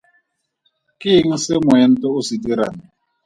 Ke eng se moento o se dirang?